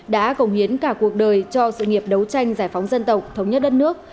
đã cống hiến cả cuộc đời cho sự nghiệp đấu tranh giải phóng dân tộc thống nhất đất nước